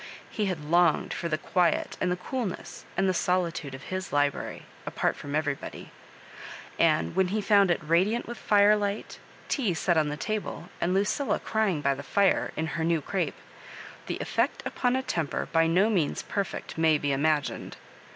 He bad longed for the quiet and the coolness and the solitude of his library, apart from everybody ; and when he found it radiant with firelight, tea set on the table, and Luciila crying by the fire, in her new crape, the effect upon a temper by no means perfect may be imagined.